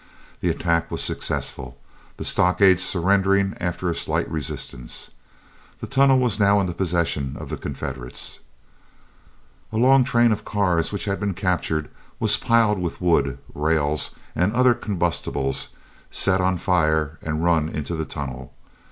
The attack was successful, the stockade surrendering after a slight resistance. The tunnel was now in the possession of the Confederates. A long train of cars which had been captured was piled with wood, rails, and other combustibles, set on fire, and run into the tunnel.